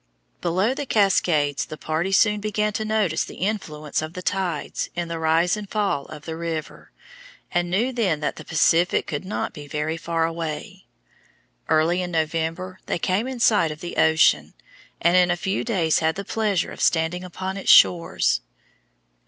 Below the Cascades the party soon began to notice the influence of the tides in the rise and fall of the river, and knew then that the Pacific could not be very far away. Early in November they came in sight of the ocean, and in a few days had the pleasure of standing upon its shores.